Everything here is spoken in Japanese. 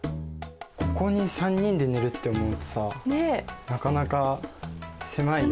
ここに３人で寝るって思うとさなかなか狭いよね。